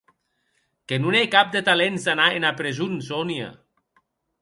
Que non è cap de talents d’anar ena preson, Sonia.